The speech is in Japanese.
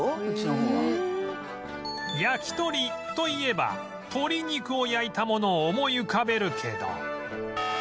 焼き鳥といえば鶏肉を焼いたものを思い浮かべるけど